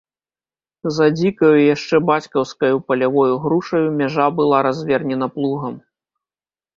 За дзікаю, яшчэ бацькаўскаю палявою грушаю мяжа была развернена плугам.